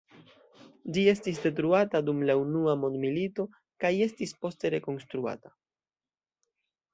Ĝi estis detruata dum la Unua Mondmilito kaj estis poste rekonstruata.